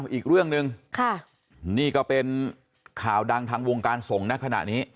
อีกเรื่องหนึ่งนี่ก็เป็นข่าวดังทางวงการส่งนะขณะนี้